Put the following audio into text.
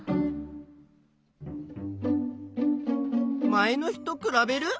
前の日とくらべる？